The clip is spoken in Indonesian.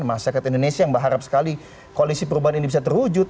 masyarakat indonesia yang berharap sekali koalisi perubahan ini bisa terwujud